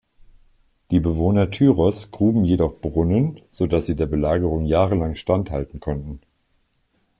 Die Bewohner Tyros’ gruben jedoch Brunnen, sodass sie der Belagerung jahrelang standhalten konnten.